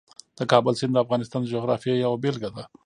د کابل سیند د افغانستان د جغرافیې یوه بېلګه ده.